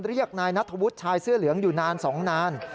เรียกนายนัทธวุฒิชายเสื้อเหลืองอยู่นาน๒นาน